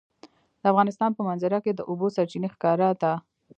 د افغانستان په منظره کې د اوبو سرچینې ښکاره ده.